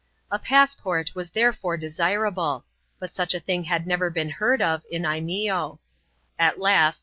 A passport was therefore desirable; but such a thing had never been heard of in Lneeo. At last.